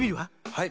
はい。